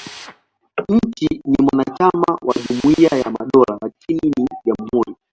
Nchi ni mwanachama wa Jumuiya ya Madola, lakini ni jamhuri.